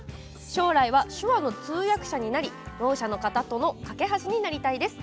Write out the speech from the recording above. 将来は手話の通訳者になりろう者の方との懸け橋になりたいです。